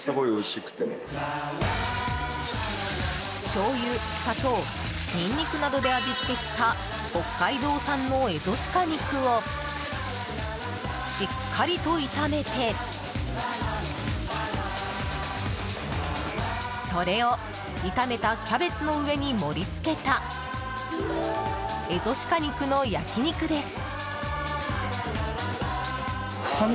しょうゆ、砂糖ニンニクなどで味付けした北海道産のエゾシカ肉をしっかりと炒めてそれを炒めたキャベツの上に盛り付けたエゾシカ肉の焼き肉です。